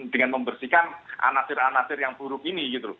dengan membersihkan anasir anasir yang buruk ini